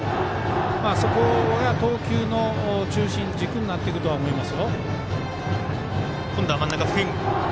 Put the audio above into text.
あそこが投球の中心軸になっていくと思います。